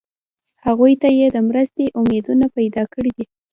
هغوی ته یې د مرستې امیدونه پیدا کړي دي.